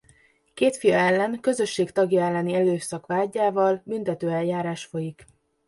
Két fia ellen közösség tagja elleni erőszak vádjával büntetőeljárás folyik.